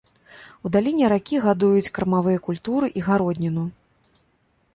У даліне ракі гадуюць кармавыя культуры і гародніну.